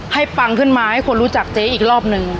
ปังขึ้นมาให้คนรู้จักเจ๊อีกรอบนึง